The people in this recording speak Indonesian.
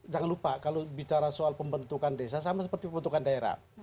jangan lupa kalau bicara soal pembentukan desa sama seperti pembentukan daerah